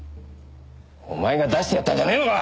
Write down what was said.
お前が出してやったんじゃねえのか！